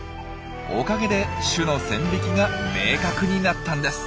おかげで種の線引きが明確になったんです。